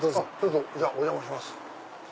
じゃあお邪魔します。